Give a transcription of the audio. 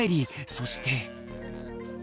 そして。